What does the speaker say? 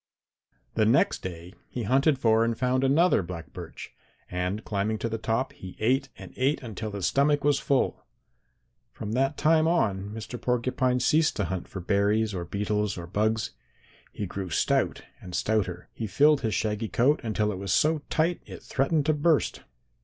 "The next day he hunted for and found another black birch, and climbing to the top, he ate and ate until his stomach was full. From that time on Mr. Porcupine ceased to hunt for berries or beetles or bugs. He grew stout and stouter. He filled his shaggy coat until it was so tight it threatened to burst.